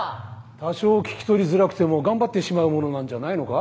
多少聞き取りづらくても頑張ってしまうものなんじゃないのか？